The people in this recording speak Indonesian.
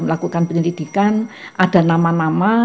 melakukan penyelidikan ada nama nama